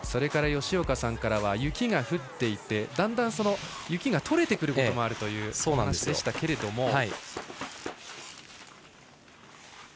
吉岡さんからは雪が降っていてだんだん、雪が取れてくることもあるというお話でしたけれども。